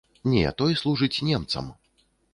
Не, той служыць немцам.